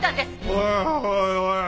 おいおいおいおい。